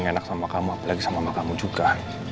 gak enak sama kamu apalagi sama mama kamu juga